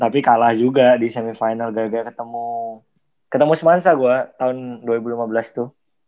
tapi kalah juga di semifinal gagal ketemu semansa gue tahun dua ribu lima belas tuh